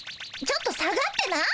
ちょっと下がってな。